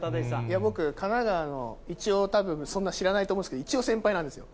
僕、神奈川の一応、たぶん、そんな知らないと思うんですけど、一応、先輩なんですよ。